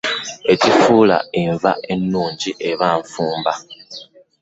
Ekifuula enva ennungi eba nfumba.